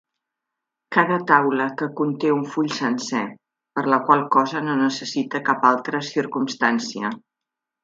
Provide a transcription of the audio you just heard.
Cada taula que conté un full sencer, per la qual cosa no necessita cap altra circumstància.